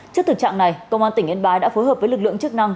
trước thực trạng này công an tỉnh yên bái đã phối hợp với lực lượng chức năng